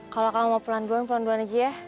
kalau kamu mau pelan pelan pelan pelan aja ya